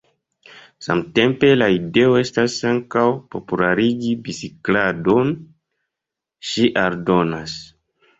Samtempe la ideo estas ankaŭ popularigi bicikladon, ŝi aldonas.